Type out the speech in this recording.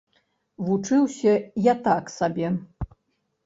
Вучыўся я так сабе.